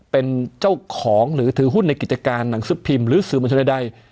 เป็นเจ้าของหรือถือหุ้นในกิจการหนังสือพิมพ์หรือสื่อมวลชนใด